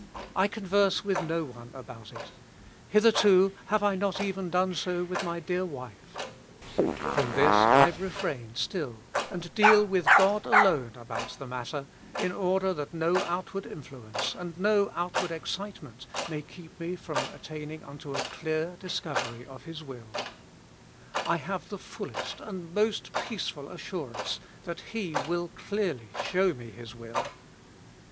I converse with no one about it. Hitherto have I not even done so with my dear wife. From this I refrain still, and deal with God alone about the matter, in order that no outward influence and no outward excitement may keep me from attaining unto a clear discovery of His will, I have the fullest and most peaceful assjirance that He will clearly show me His will.